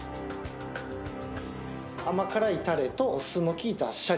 甘辛いたれとお酢の利いたシャリ。